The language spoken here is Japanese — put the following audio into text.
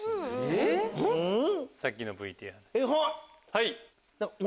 はい。